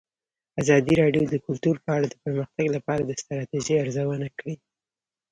ازادي راډیو د کلتور په اړه د پرمختګ لپاره د ستراتیژۍ ارزونه کړې.